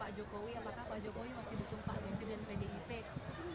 pak jokowi apakah pak jokowi masih dukung pak ganjar dan pdip